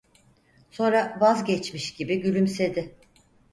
Sonra vazgeçmiş gibi gülümsedi.